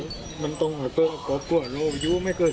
เจ้าของุ้มโสด่งอ่าสุดที่